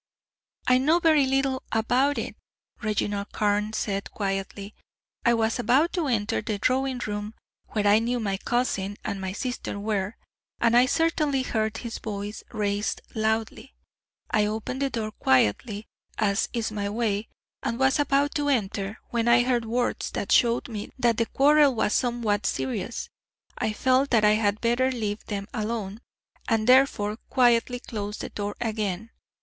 "I know very little about it," Reginald Carne said, quietly. "I was about to enter the drawing room, where I knew my cousin and my sister were, and I certainly heard his voice raised loudly. I opened the door quietly, as is my way, and was about to enter, when I heard words that showed me that the quarrel was somewhat serious. I felt that I had better leave them alone, and therefore quietly closed the door again.